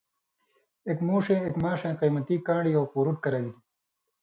اېک مُوݜے اېک ماݜئیں قیمتی کان٘ڑئ اوک غُرُٹ کرہ گِلیۡ۔